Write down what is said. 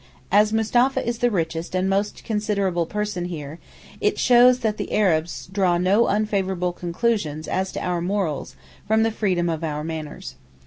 As Mustapha is the richest and most considerable person here, it shows that the Arabs draw no unfavourable conclusions as to our morals from the freedom of our manners.